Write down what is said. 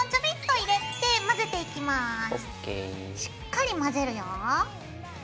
しっかり混ぜるよ。